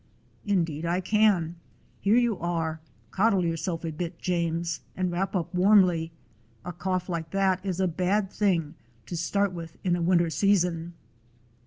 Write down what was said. "Indeed I can. Here you are. Coddle yourself a bit, James, and wrap up warmly. A cough like that is a bad thing to start with in a winter season."